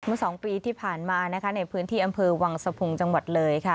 เมื่อสองปีที่ผ่านมาในพื้นที่อำเภอวังสะพุงจังหวัดเลย